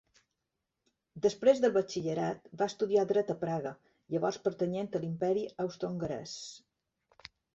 Després del batxillerat, va estudiar dret a Praga, llavors pertanyent a l'Imperi austrohongarès.